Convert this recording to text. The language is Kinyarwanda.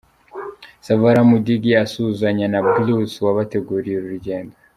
Savara Mudigi, asuhuzanya na Bruce wabateguriye uru rugendo.